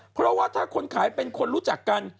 เพราะว่าถ้าคนขายเป็นคนรู้จักกัน